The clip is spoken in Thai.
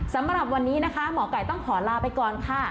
สำหรับวันนี้นะคะหมอไก่ต้องขอลาไปก่อนค่ะ